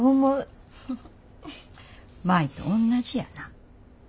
舞とおんなじやな。